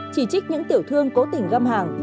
chỉ trích những tiểu thương cố tình găm hàng